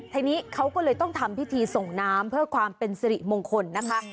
ทีนี้เขาก็เลยต้องทำพิธีส่งน้ำเพื่อความเป็นสิริมงคลนะคะ